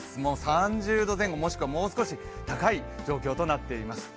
３０度前後、もしくはもう少し高い状況となっています。